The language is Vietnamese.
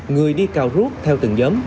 người đi cao rút theo từng giống